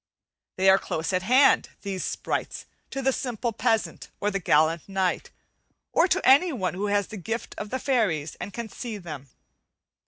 They are close at hand, these sprites, to the simple peasant or the gallant knight, or to anyone who has the gift of the fairies and can see them.